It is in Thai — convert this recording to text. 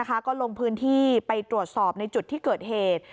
ก็ลงพื้นที่ไปตรวจสอบในจุดที่เกิดเหตุ